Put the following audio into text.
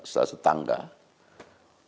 salah satu tanggung jawab